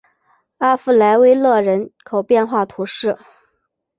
阿弗莱维勒人口变化图示